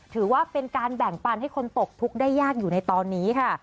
ถือว่าเป็นการแบ่งปันให้คนตกทุกข์ได้ยากอยู่ในตอนนี้ค่ะ